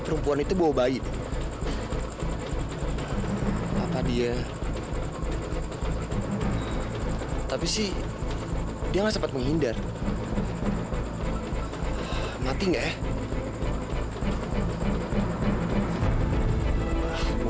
sampai jumpa di video selanjutnya